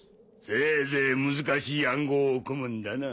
せいぜい難しい暗号を組むんだな。